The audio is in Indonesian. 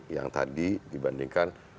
yang tadi dibandingkan